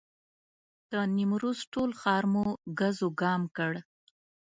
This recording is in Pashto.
د نیمروز ټول ښار مو ګز وګام کړ.